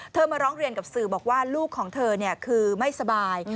มาร้องเรียนกับสื่อบอกว่าลูกของเธอคือไม่สบาย